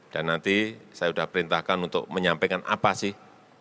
dan nanti saya sudah perintahkan untuk menyampaikan apa sih